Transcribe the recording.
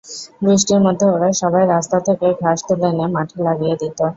বৃষ্টির মধ্যে ওরা সবাই রাস্তা থেকে ঘাস তুলে এনে মাঠে লাগিয়ে দিত।